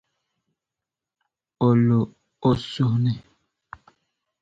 O lo o suhu ni.